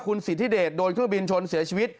สิทธิเดชโดนเครื่องบินชนเสียชีวิต